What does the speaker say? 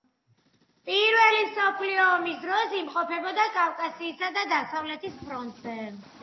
პირველი მსოფლიო ომის დროს იმყოფებოდა კავკასიისა და დასავლეთის ფრონტებზე.